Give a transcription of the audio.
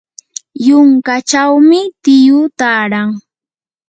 yunkachawmi tiyu taaran.